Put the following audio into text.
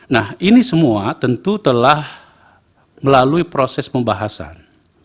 nah ini semua tentu telah melalui proses pembahasan